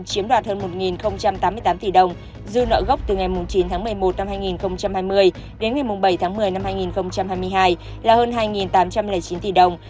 chiếm đoạt hơn một tám mươi tám tỷ đồng dư nợ gốc từ ngày chín tháng một mươi một năm hai nghìn hai mươi đến ngày bảy tháng một mươi năm hai nghìn hai mươi hai là hơn hai tám trăm linh chín tỷ đồng